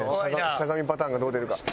しゃがみパターンがどう出るか。